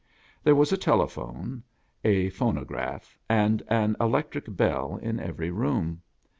There was a telephone, a phono graph, and an electric bell in every room.